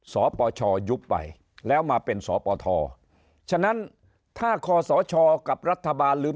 สปชยุบไปแล้วมาเป็นสปทฉะนั้นถ้าคศกับรัฐบาลลืม